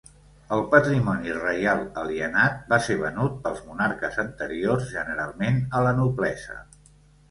El patrimoni reial alienat va ser venut pels monarques anteriors, generalment a la noblesa.